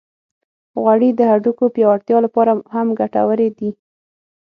غوړې د هډوکو پیاوړتیا لپاره هم ګټورې دي.